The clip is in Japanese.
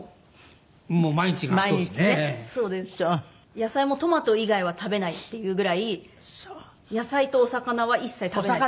野菜もトマト以外は食べないっていうぐらい野菜とお魚は一切食べない。